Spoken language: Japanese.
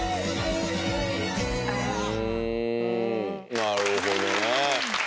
なるほどね。